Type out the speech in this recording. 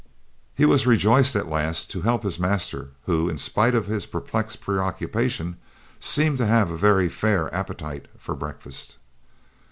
He was rejoiced at last to help his master, who, in spite of his perplexed preoccupation, seemed to have a very fair appetite for breakfast.